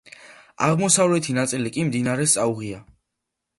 აღმოსავლეთი ნაწილი კი მდინარეს წაუღია.